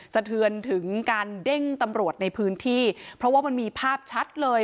สะเทือนถึงการเด้งตำรวจในพื้นที่เพราะว่ามันมีภาพชัดเลย